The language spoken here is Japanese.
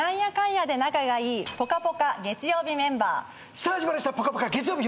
さあ始まりました『ぽかぽか』月曜日